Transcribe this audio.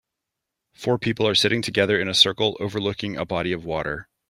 Four people are sitting together in a circle, overlooking a body of water.